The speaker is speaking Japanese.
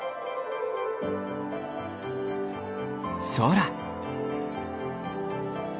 そら。